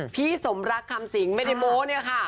พี่สมรักคำสิงไม่ได้โม้เนี่ยค่ะ